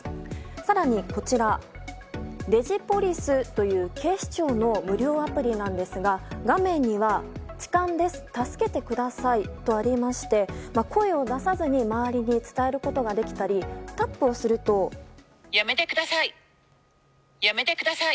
更に、こちらはデジポリスという警視庁の無料アプリなんですが画面には「痴漢です助けてください」とありまして声を出さずに周りに伝えることができたりやめてください。